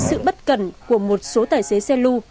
sự bất cần của một số tài xế xe lưu